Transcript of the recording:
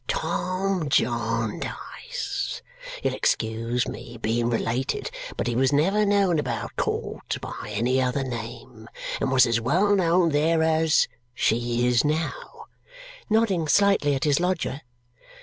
Tom Jarndyce you'll excuse me, being related; but he was never known about court by any other name, and was as well known there as she is now," nodding slightly at his lodger.